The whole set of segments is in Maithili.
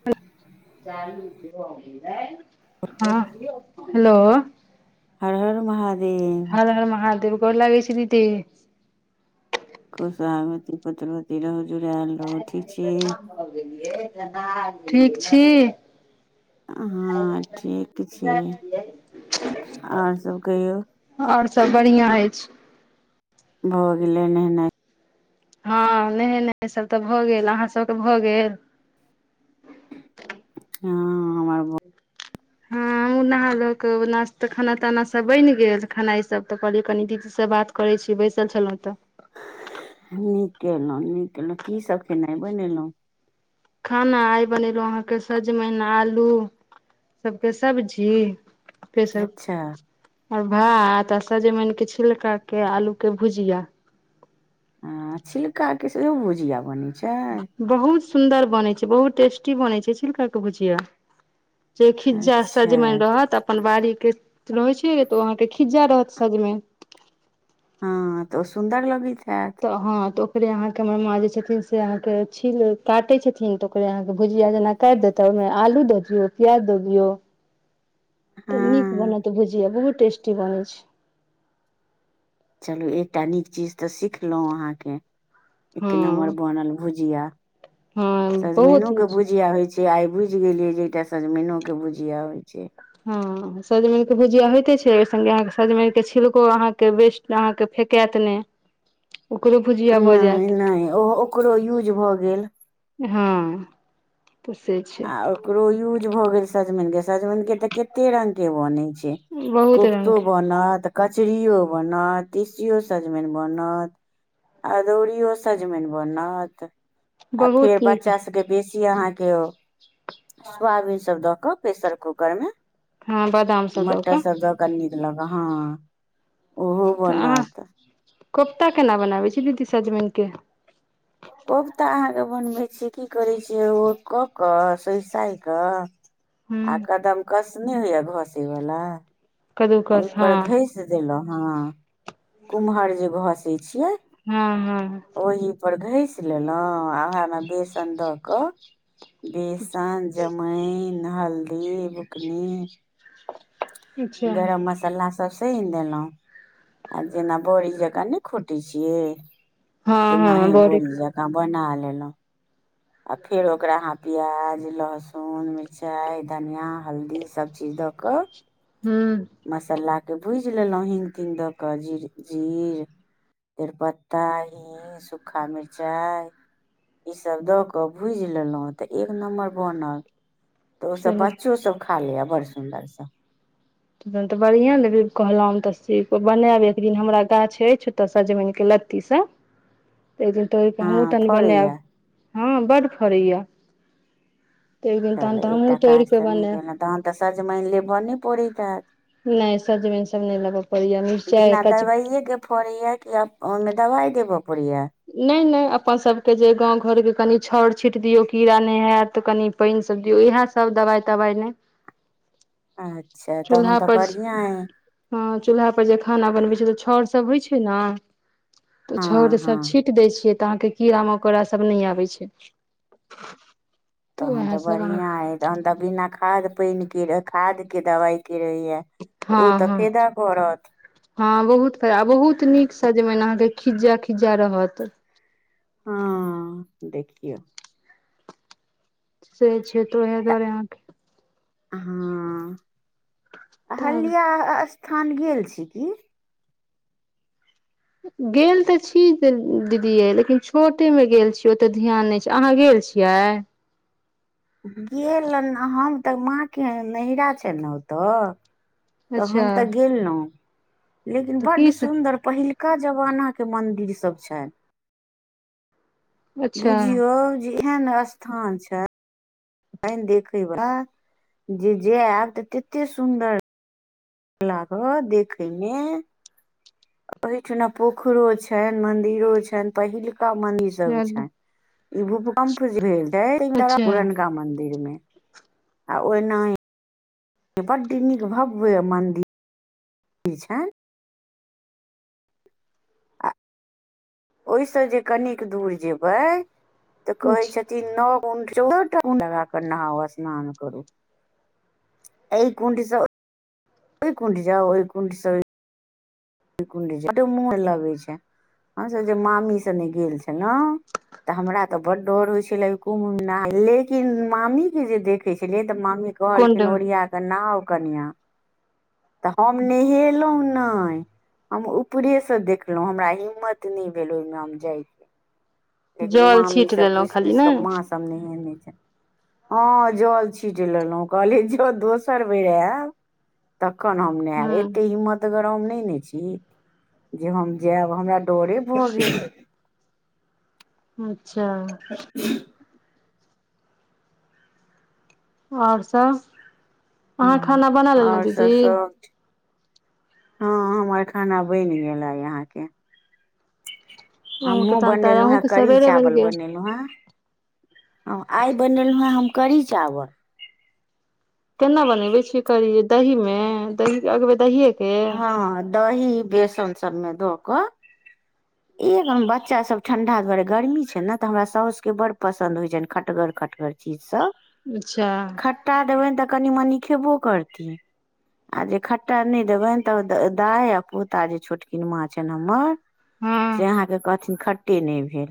[unintelligible] हेलो हर हर महादेव हर हर महादेव गोर लागै छी दीदी सोहगवती पुत्रवती रहु जुड़ायल रहु ठीक छी [unintelligible] ठीक छी हँ ठीक छी आ [inaudible] आहाँ सब कहियौ ओर सभ बढ़िया अछि भऽ गेलै नहेनै हँ नहेनैय सब तऽ भऽ गेल अहाँ सबके भऽ गेल [unintelligible] भ- [unintelligible] नाहा लेलकै नाशत खाना ताना सब बनि गेल खेनाइ ई सब तऽ कहलिय कनी दीदी सब बात करै छी बैसल छलहुँ तऽ नीक कलहुँ नीक केलहुँ की सभ खेनाइ बनेलहुँ खाना आइ बनेलहुं अहाँके सजमैन आलू [inaudible] सबके सब्जी अच्छा [unintelligible] आर भातऽ सजमैन के छिलका के आलू के भुजिया आ छिलका के सेहो भुजिया बनैत छै बहुत सुंदर बनै छै बहुत टेस्टी बनै छै छिल्का के भुजिया जे खिज्जा अच्छा सजमैन रहत अपन बाड़ी के रहै छै तो अहाँके खिज्जा रहत सजमेन हँ तऽ वो सुंदर लगै हेत तऽ हँ तऽ ओकरे अहाँके हमर माँ जे छथिन से अहाँके छील काटै छथिन तऽ ओकरे अहाँके भुजिया जेना काइट दैता आलू दऽ दियौ प्याज दऽ दियौ हँ तऽ नीक बनत भुजिया बहुत टेस्टी बनैत छै चलू एकटा नीक चीज तऽ सिखलहुँ अहाँ के एक नम्बर हँ बनल भुजिया हँ [inaudible] बहुत सजमैनों के नीक। भुजिया होइ छै से आई बुझ गेलिये जे एकटा सजमैनो के भुजिया होय छै [unintelligible] सजमैन के भुजिया होयइते छै ओहि संगे अहाँके सजमैन क छिलको अहाँके बेस्ट अहाँके फेकैत नहि ओकरो भुजिया भऽ नहि जायत नहि ओ ओकरो यूज भऽ गेल [inaudible] हँ [unintelligible] आ ओकरो यूज भ गेल सजमैन के सजमैन के ते कते रंग के बन छै बहुत रंग केप्तो के बनत कचरियों बनत तीसियो सजमेन बनत अदौड़ी सजमैन बनत आ बहुत फेर नीक बच्चा सभके बेसी अहाँ के ओ सोयाबीन सब दऽ कऽ प्रेशर कूकर मे हँ बादाम सब दऽ मटर कऽ सब दऽ क [unintelligible] तऽ अहाँ कोप्ता केना बनाबै छी दीदी सजमैन कोप्ता अहाँके बनबै छिय की करै छियै ओ कऽ कऽ सोइ साइ कऽ हूँ आ कदम कस नहि होइया घसे वला ओहि कद्दूकस हँ पर घसि देलहुँ हें कुम्हर जे घसे छियै [unintelligible] ओहि पर घसि लेलहुँ आ ओहे मे बेसन दऽ कऽ बेसन जमाइन हल्दी बुकनी अच्छा गरम मसाला सब सहिन देलहुं आ जेना बड़ी जकाँ नहि खोटे छियै हँ हँ तनहि बड़ी बोड़ी जका बना लेलू आ फेर ओकरा अहाँ प्याज लहसुन मिरचाइ धनिया हल्दी सभचीज दऽ कऽ हू मसालाके भूजि लेलहुँ हिंग तिंग दऽ कऽ जीर जीर तेजपत्ता हिंग सु्खा मिर्चाइ ई सब दऽ कऽ भुजि लेलहुँ तऽ एक नम्बर बनल तऽ ओसभ चलू बच्चो सब खा लेया बड़ सुदर सऽ तन तऽ बढ़िआँ लेबे कहलहुँ तऽ सी बनायब एक दिन हमरा गाछ अछितऽ सजमनििके लत्तीसँ [inaudible] एक दिन टोर कऽ हमहूँ हँ कनी बनायब फड़ैए हँ बड्ड फड़ैए एक दिन तहन चलू तऽ हमहुँ एकटा तोर काज के तऽ नहि बनेब केलहुँ तहन तऽ सजमन लेबऽ नहि पड़ैत हेतय नहि सजमनि सब नहि लबय पड़ैया मिरचाई कचका पड़ी या कि आब ओहिमें दवाई देबऽ पड़ी या नहि नहि अपन सभके जे गाँव घर के कनि छाउर छीट दियौ कीड़ा नहि हत तऽ कनि पान जब दियो इएह सब दवाइ तवाइ नहि अच्छा तहन चूल्हा तऽ पर बढ़िआँ अइ हँ चूल्हा पर जे खाना सब बनबै छै तऽ छाउर सभ होइ छै नऽ तऽ उ छाउर हँ सब हँ छीट दै छियै तऽ अहाँके कीड़ा मकोड़ा सब नइ आबै छै तखन उएह तऽ सब बढ़िआँ अहाँके अइ तहन तऽ बिना खाद पानिे खादके दबाइके रहैए तऽ ओ हँ तऽ हँ फायदा करत हँ बहुत फायदा बहुत नीक सजमनि अहाँके खिज्जा खिज्जा रहत हँ देखियौ से छै तऽ ओह दुआरे आहाँ कऽ हँ तऽ आब अहिल्या स्थान गेल छी की गेल तऽ छी दीदीये लेकिन छोटे मऽ गेल छीय ओते ध्यान नहि छै अहाँ गेल छी छिया गेलहन हम तऽ माँ के नहिैरा छैन नऽ ओतऽ तऽ अच्छा हम तऽ गेलहुँ लेकिन तऽ बड्ड की सब सुन्दर पहिल पहिल्का जमाना के मंदिर सब छनि अच्छा बुझियौ जे एहन स्थान छै देखेई बला जे जायब तऽ तते सुन्दर लाागत देखिये मे ओहिठना पोखरो छनि मंदिरो छनि पहिलका मंदिर सब चलू छनि ई भूकम्प भेल रहै अच्छा पुरनका मंदिर में ओनाही बड नीक भव्य मन्दिर मन्दिर छैन ओहिसँ जे कनिक दूर जेबै तऽ कहे अच्छा छथिन नो गुन चौदह टा गुन लग कऽ नहाउ स्नाान करू एहि कुनड सऽ ओहि कुंड जाउ ओहि कुंड स कुण्ड जा बड्ड मुँन लगै छै हमसभ जे मामी सने गेल छलौं तऽ हमरा त बड्ड डर होइ छले कुम्म मे नहैए मे लेकिन मामी के जे देखे छलिये तऽ मामी कुण्ड कहलखिन ओरिया के नहाव कनिआ तऽ हम नहेलहुं नै हम ऊपरे से देखलहुँ हमरा हिम्मत नै भेल ओहिमे हम जाइ लेकिन जल मामी छीट सभ लेलहुँ घुसि खाली घुसि ने कऽ माँ सभ नहेने छै हँ जल छीट लेलहुँ कहलिय जँ दोसर बेर आयब तखन हम नहेब हूँ एते हिम्मतगर हम नहि ने छी जे हम जायब हमरा डोरे भ गेल अच्छा [unintelligible] और सब अहाँ हँ खाना बना लेलहु आओर सब दीदी सब हँ हमर खाना बनि गेल आई आहाँ के अहूँके हमहूँ तहन तऽ बनेलहुँ हे अहूँके कढ़ी सबेरे बनि चावल गेल बनेलहुँ हे आय बनेलहु हे हम करी चावल केना बनेबे छी करी दही में दही अगबे दहि हँ दही बेसन सबमे दऽ कऽ एकम बच्चा सब ठंडा द्वारे गर्मी छै ने तऽ हमरा साउस के बड पसन्द होय छनि खटगर खटगर चीज सब अच्छा खट्टा देबनि तऽ कनि मनि खेबो करती आ जे खट्टा नहि देबनि त दाय आ पोता जे छोटकीनमाँ छनि हमर से हँ अहाँके कहथिन खट्टे नहि भेल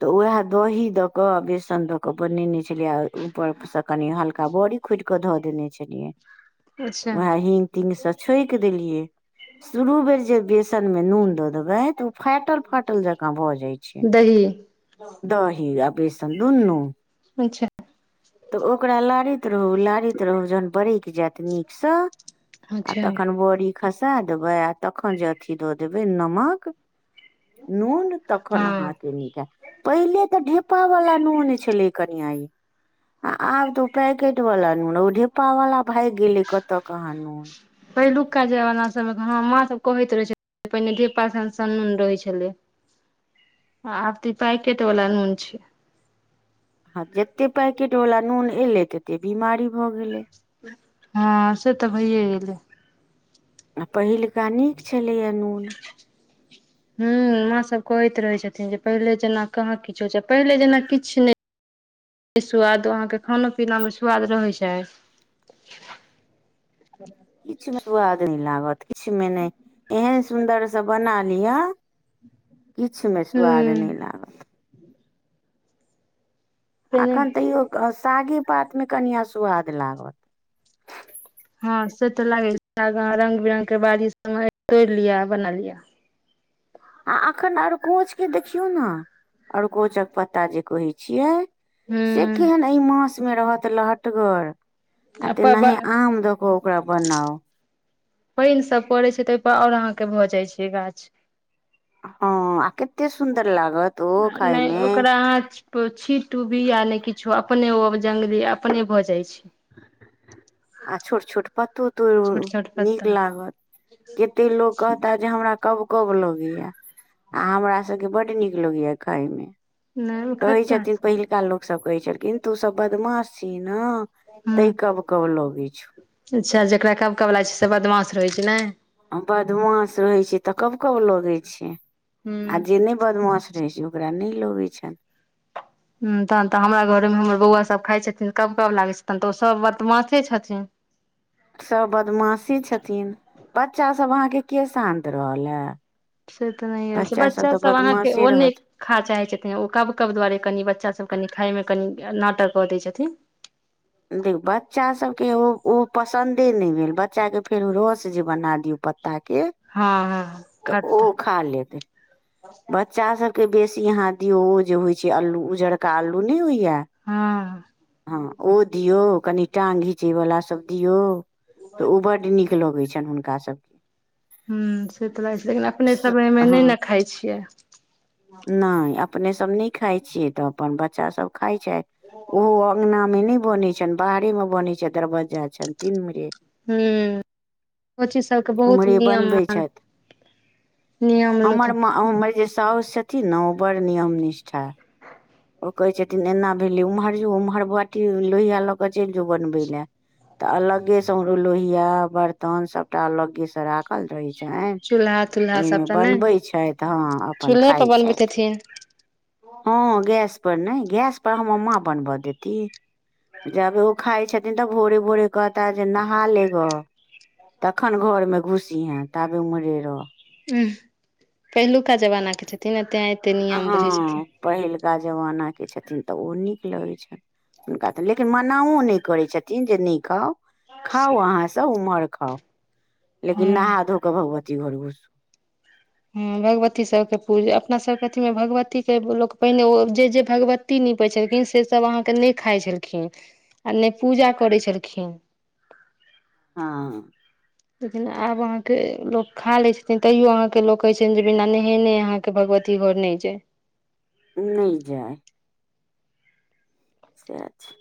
तऽ उएह दही द क बेसन द के बनेने छलिय आ ऊपर से कनि हल्का बड़ी खुटि कऽ धऽ देने छलियै अच्छा वएह हिंग तिंगसँ छकि देलियै शुरू बेर जे बेसन में नून द देवे त ओ फाटल फाटल जका भ जाय छै दही दही आ बेसन दुनू अच्छा तऽ ओकरा लारैत रहू लारैत रहू जहन बरकि जायत नीकसँ आ अच्छा तखन बड़ी खसा देबै आ तखन जे अथी दऽ देबै नमक नून तखन हँ अहाँके नीक हय पहिले तऽ ढेपा वाला नून छलै कनिया यै आ आब तो पैकेट वाला नून ओ ढिप्पा वाला भागि गेले कतऽ कहाँ नून पहिलुका जमाना सभमे हँ माँ सभ कहैत रहै छै पहिने धेपा सन सन नून रहै छलै आ आब त ई पैकेट वला नुन छै आ जते पैकेट वाला नून एले तते बीमारी भ गेलै हँ से तऽ भैए गेलै पहिलुका नीक छलैए नून हूं माँ सब कहैत रहे छथिन जे पहिले जेना कहाँ किछो छै पहिले जेना किछ नहि सुवाद अहाँके खाना पीना मे स्वाद रहै छै किछु मे स्वाद नहि लागत किछ मे नहि एहन सुन्दरसँ बना लिअ किछ मे सुआद नहि पहिने लागत एखन तैयो सागे पातमे कनिआ सुवाद लागत हँ से तऽ लागे छै रंग बिरंग के बाड़ी सब तोड़ लियै बना लिय आ अखन अरकोच के देखियौ ने अरकोचक पत्ता जे कहे छियै से हूँ केहन एहि मासमे रहत लहटगर आ तेनाहि आम देक ओकरा बनाओ पानि सब पड़ै छै त ओहिपर आओर अहाँके भऽ जाइ छै गाछ हँ आ कतेक सुन्दर लागत ओ खाय नहि मे ओकरा अहाँ पो छीटु बीया ने किछो अपने ओ जंगली अपने भ जाय छै [inaudible] आ छोट छोट पतो तो छोट छोट नीक पत्ता लागत कते लोकोग कहता जे हमरा कब कब लगैया आ हमरा सबके बड नीक लगेया खाय मे नहि कहै खट्टा हूँ छथिन पहिलका लोकसभ कहैत छलखिन तू सब बदमाश छी ने तै कब कब लगै छ अच्छा जकरा कब कब लाग छै से बदमाश रहै छै ने आ बदमास रहैत छै तऽ कब कब लगैत छै आ हूँ जे नहि बदमास रहैत छै ओ ओकरा नहि लागैत छनि ह तहन तऽ हमरा घरे मे हमर बौआ सब खाय छथिन कब कब लागै छथिन तऽ ओ सब बदमासे छथिन सभ बदमाशी छथिन बच्चा सभ अहाँके के शान्त रहल हे से तऽ नहि हो छै बच्चा तऽ सब अहाँके बदमाशे ओन्ने रहत खा चाहै छथिन ओ कब कब दुआरे कनि बच्चा सब कनि खाय मे कनि नाटक कऽ दै छथिन देख बच्चासभके ओ ओ पसन्दे नहि भेल बच्चाकेँ फेर ओ रस जे बना दियौ पत्त ताकि हँ हँ तऽ ओ खट्टा खा लेतै बच्चा सब के बेसी यहां दियऔ ओ जे होइ छै अल्लू उजरका अल्लू नहि होइया हँ ची वलाा सब दियौ तऽ ओ बड नीक लगैत छनि हुनका सभके ह से तऽ लागै छै लेकिन अपने सब एहि मे नहि हँ ने खाय छियै नहि अपनेसभ नहि खाइ छियै तऽ अपन बच्चा सभ खाय छै ओहो अङंगना मे न बने छै बाहरे मे बने छै दरवज्जा तीन म हू ओ चीज सबके बहुत उम्हरे बनबै नियमान छथि नियम लोक आ हमर जे साउस छथिन ने ओ बड़ नियम निष्ठा ओ कहै छथिन एना भेली ओम्हर जो ओम्हर बटी लोहिया लऽ कऽ चलि जो बनबै लए त अलगे से लोहिया बर्तन सबटा अलगे से राख देखल रहै छनि ओहिमे बनबे छथि हँ अपन चूल्हेप खाइ छथि बनबैतिहेथिन हँ गैस पर नहि गैस पर हम माँ बनव देती जब ओ खाइ छथिन तऽ भोरे भोरे कहता जे नहा लेग तखन घर मे घुसी हें ताबे उमरे रो उ पहिलुका जमाना के छै तनते आये हँ पहिलुका जमानाके छथिन तऽ ओ नीक लगैत छनि हुनका तऽ लेकिन मनाओ नहि करै छथिन जे नहि खाउ खाउ अहाँ सब उम्हर खाउ लेकिन हँ नहा धो कऽ भगवती घरस हँ भगवती सभके पूजा अपना सभके अथीमे भगवते लोक पहिने जे जे भगवती कु नीपै छलखिन से सब अहाँके नइ खाइ छलखिन आ नइ पूजा करै छलखिन हँ लेकिन आब अहाँ के लोग खा लै छथिन तैयो अहां के लऽ कहे छ जे बिना नहेने अहा के भगवती घर नय छै नय जाय सेएह छय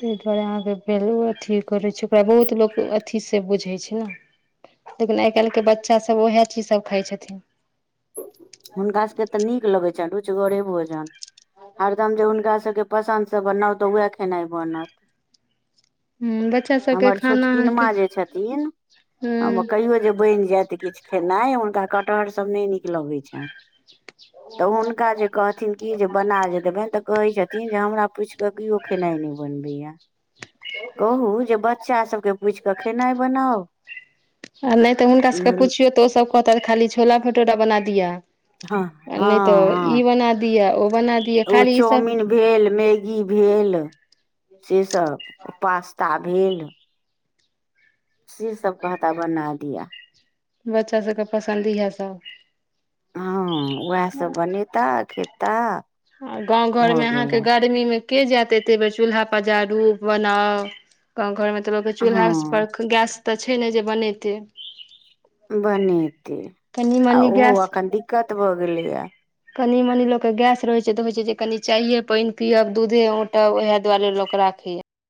तहि दुआरे अहाँके वैयू अथी करैत छै ओकरा बहुत लोक अथीसँ बुझैत छय ने लेकिन आइ काल्हिके बच्चा सब उएह चीजसब खाइ छथिन हुनका सबके तऽ नीक लगै छनि रुचगरे भोजन हरदम जे हुनका सबके पसन्दसँ बनाउ तऽ वएह खेनाइ बनत ह बच्चा सबके हमर खाना छोटकी अहाँके माँ जे छथिन आ ह कहियो जे बइन जैत किछ खेनाइ हुनका कटहर सब नय नीक लगै छै तऽ हुनका जे कहथिन की जे बना जे देबइन ते कहे छथिन जे हमरा पूछ के के खेनाई न बनबे या ह कहू जे बच्चा सबके पुइछ कऽ खेनाइ बनाउ आ नय तऽ हुनका सबके हँ पुछियौ तऽ ओसब कहत खाली छोला भटूरा बना दिअ नय तऽ हँ हँ ई बना दिय ओ बना दिया ओ खाली ई सब चाउमिन भेल मैगी भेल से सब पास्ता भेल से सब कहता बना दिया बच्चा सबके पसन्द इएह सब हँ उएह सब बनेता खेता आ गाँव घर भऽ में अहाँके गेलनि गर्मीमें के जैत एते बेर चूल्हा पजाारू बनाउ गाँं घर में तऽ लऽ चूल्हा हँ पर गैस तऽ छय ने जे बनेतै बनेतै कनि आ मनी ओहो अखन दिक्कत भऽ गेलैया कनी मनी लोक के गैस रहय छै तऽ होय छै जे कनी चायये पानि पियब दूधे औंटब उएह दुआरे लोक राखय या